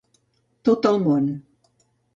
Tot el món.